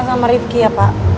sama rifki ya pak